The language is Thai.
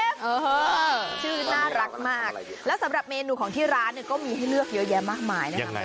เออชื่อน่ารักมากแล้วสำหรับเมนูของที่ร้านเนี่ยก็มีให้เลือกเยอะแยะมากมายนะคะ